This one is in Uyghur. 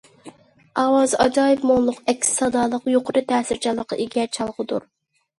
ئاۋازى ئاجايىپ مۇڭلۇق، ئەكس سادالىق، يۇقىرى تەسىرچانلىققا ئىگە چالغۇدۇر.